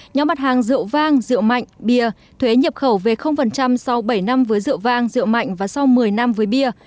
nhóm mặt hàng rượu vang rượu mạnh bia thuế nhập khẩu về sau bảy năm với rượu vang rượu mạnh và sau một mươi năm với bia